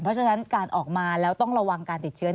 เพราะฉะนั้นการออกมาแล้วต้องระวังการติดเชื้อ